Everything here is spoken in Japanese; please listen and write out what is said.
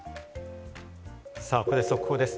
ここで速報です。